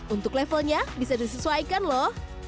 untuk kari yang berbeda kita akan membuat kari yang berbeda